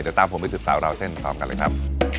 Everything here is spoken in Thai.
เดี๋ยวตามผมไปสืบสาวราวเส้นพร้อมกันเลยครับ